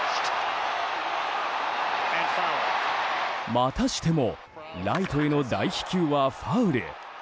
またしてもライトへの大飛球はファウル。